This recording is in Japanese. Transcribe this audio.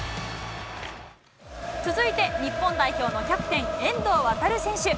続いて、日本代表のキャプテン、遠藤航選手。